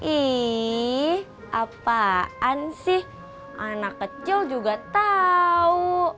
ih apaan sih anak kecil juga tahu